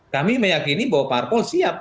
kami meyakini bahwa parpol siap